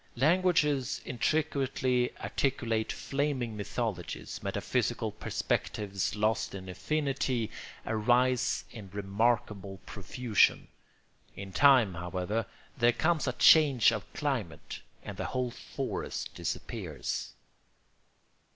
Languages intricately articulate, flaming mythologies, metaphysical perspectives lost in infinity, arise in remarkable profusion. In time, however, there comes a change of climate and the whole forest disappears.